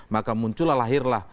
maka muncul lahir lah